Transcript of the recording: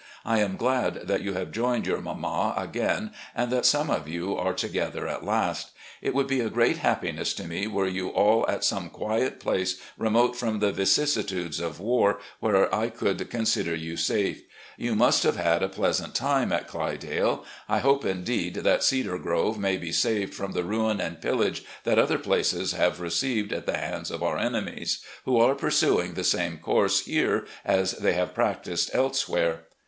I am glad that you have joined your mamma again and that some of you are together at last. It would be a great happiness to me were you all at some quiet place, remote from the vicissitudes of war, where I could consider you safe. You must have had a pleasant LETTERS TO WIFE AND DAUGHTERS 57 time at 'Clydale.' I hope indeed that 'Cedar Grove' may be saved from the ruin and pillage that other places have received at the hands of our enemies, who are pursuing the same course here as they have practised elsewhere.